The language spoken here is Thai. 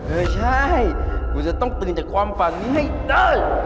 เออใช่กูจะต้องตื่นจากความฝันนี้ให้ได้